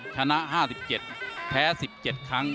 ชนะ๕๗แพ้๑๗ครั้ง